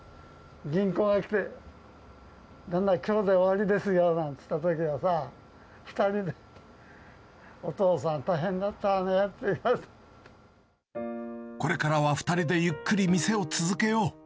銀行が来て、旦那、きょうで終わりですよなんて言われたときはさ、２人で、お父さんこれからは２人でゆっくり店を続けよう。